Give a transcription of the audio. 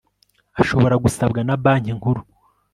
ashobora gusabwa na banki nkuru